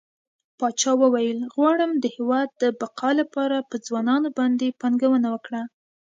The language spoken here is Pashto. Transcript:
پاچا وويل غواړم د هيواد د بقا لپاره په ځوانانو باندې پانګونه وکړه.